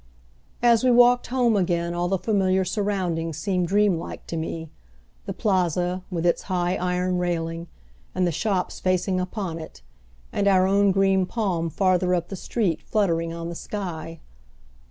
As we walked home again all the familiar surroundings seemed dreamlike to me the Plaza, with its high iron railing, and the shops facing upon it, and our own green palm farther up the street, fluttering on the sky.